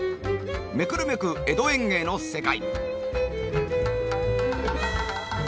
めくるめく江戸園芸の世界。